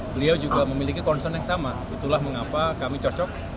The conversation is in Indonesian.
beliau juga memiliki concern yang sama itulah mengapa kami cocok